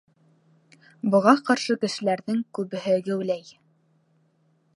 Быға ҡаршы кешеләрҙең күбеһе геүләй: